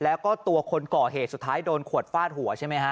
แล้วก็ตัวคนก่อเหตุสุดท้ายโดนขวดฟาดหัวใช่ไหมฮะ